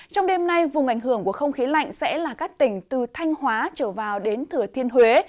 trong đêm nay vùng ảnh hưởng của không khí lạnh sẽ là các tỉnh từ thanh hóa trở vào đến thừa thiên huế